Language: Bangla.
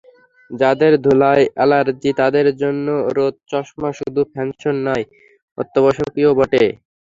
যাঁদের ধুলায় অ্যালার্জি, তাঁদের জন্য রোদচশমা শুধু ফ্যাশন নয়, অত্যাবশ্যকীয়ও বটে।